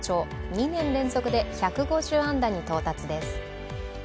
２年連続で１５０安打に到達です。